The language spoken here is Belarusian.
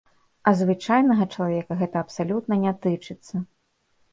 А звычайнага чалавека гэта абсалютна не тычыцца.